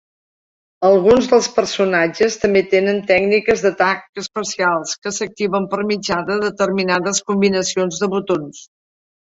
Alguns dels personatges també tenen tècniques d'atac especials que s'activen per mitjà de determinades combinacions de botons.